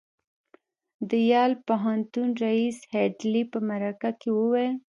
د یل پوهنتون ريیس هيډلي په مرکه کې وویل